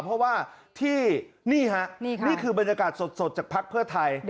เพราะว่าที่นี่ฮะนี่คือบรรยากาศสดจากภักดิ์เพื่อไทย